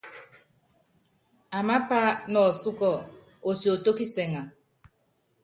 Amaapa nɔ ɔsúkɔ otiotó kisɛŋa ?